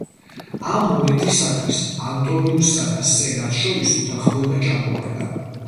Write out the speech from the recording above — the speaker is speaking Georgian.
ამ მომენტისათვის, ანტონიუსსა და სენატს შორის უთანხმოება ჩამოვარდა.